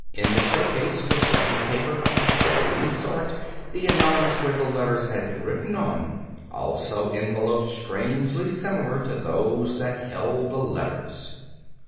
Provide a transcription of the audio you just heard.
In the show case was writing paper of the very sort the Anonymous Wiggle letters had been written on also envelopes strangely similar to those that had held the letters.